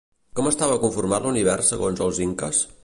Com estava conformat l'univers segons els inques?